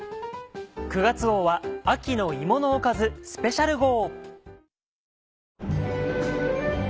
９月号は秋の芋のおかずスペシャル号。